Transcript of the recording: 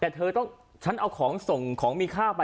แต่เธอต้องฉันเอาของส่งของมีค่าไป